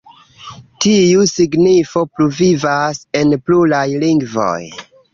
Tiu signifo pluvivas en pluraj lingvoj.